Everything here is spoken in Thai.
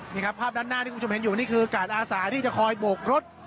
นี่ครับภาพด้านหน้าที่คุณผู้ชมเห็นอยู่นี่คือกาดอาสาที่จะคอยโบกรถ